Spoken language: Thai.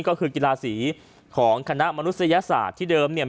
ก็คือกีฬาสีของคณะมนุษยศาสตร์ที่เดิมเนี่ย